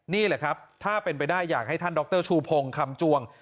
นี่แหละครับถ้าเป็นไปได้อยากให้ท่านดรชูพงศ์คำจวง